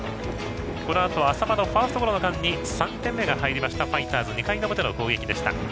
このあと淺間のファーストゴロの間に３点目が入ったファイターズの２回の表の攻撃でした。